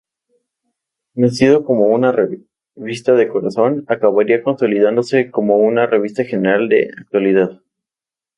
Nacido como una revista del corazón, acabaría consolidándose como una revista general de actualidad.